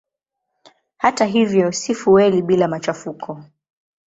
Hata hivyo si fueli bila machafuko.